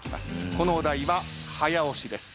このお題は早押しです。